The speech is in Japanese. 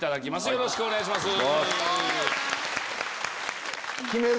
よろしくお願いします。